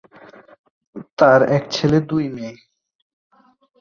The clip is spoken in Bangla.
তার এক ছেলে, দুই মেয়ে।